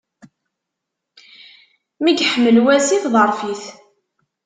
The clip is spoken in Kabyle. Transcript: Mi iḥmel wasif, ḍeṛṛef-as.